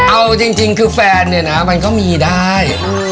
เอาจริงคือแฟนเนี่ยนะมันก็มีได้